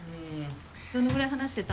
どのぐらい話してた？